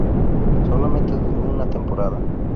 Solamente duró una temporada.